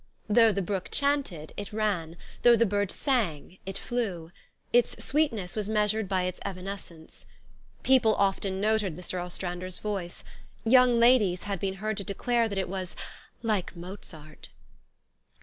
Though the brook chanted, it ran ; though the bird sang, it flew ; its sweetness was measured by its evanes cence. People often noted Mr. Ostrander's voice. Young ladies had been heard to declare that it was "like Mozart."